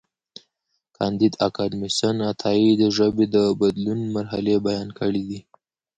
کانديد اکاډميسن عطايي د ژبې د بدلون مرحلې بیان کړې دي.